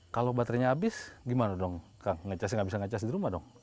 kalau baterainya habis gimana dong kang bisa ngecas di rumah dong